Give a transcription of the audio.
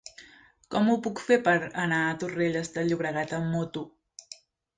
Com ho puc fer per anar a Torrelles de Llobregat amb moto?